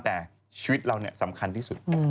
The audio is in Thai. แต่ชีวิตเราสำคัญที่สุด